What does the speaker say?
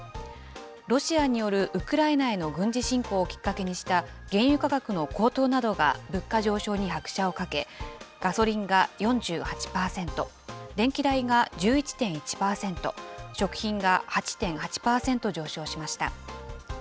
ロシアによるウクライナへの軍事侵攻をきっかけにした、原油価格の高騰などが物価上昇に拍車をかけ、ガソリンが４８％、電気代が１１．１％、食品が８．８％上昇しました。